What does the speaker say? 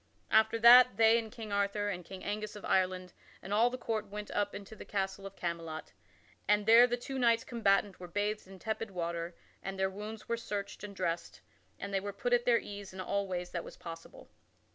After that, they and King Arthur and King Angus of Ireland and all the court went up unto the castle of Camelot, and there the two knights combatant were bathed in tepid water and their wounds were searched and dressed and they were put at their ease in all ways that it was possible.